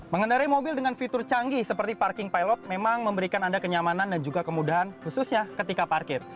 mengendarai mobil dengan fitur canggih seperti parking pilot memang memberikan anda kenyamanan dan juga kemudahan khususnya ketika parkir